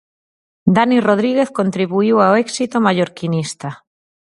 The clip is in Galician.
Dani Rodríguez contribuíu ao éxito mallorquinista.